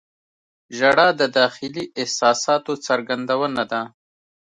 • ژړا د داخلي احساساتو څرګندونه ده.